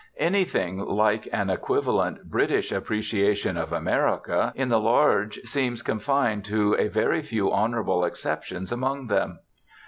Anything like an equivalent British appreciation of America in the large seems confined to a very few honorable exceptions among them.